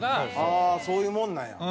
ああーそういうもんなんや。